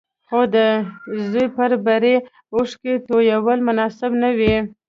خو د زوی پر بري اوښکې تويول مناسب نه وو.